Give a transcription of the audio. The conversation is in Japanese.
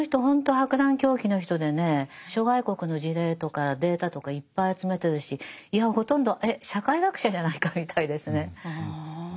博覧強記の人でね諸外国の事例とかデータとかいっぱい集めてるしいやほとんどえ社会学者じゃないかみたいですね。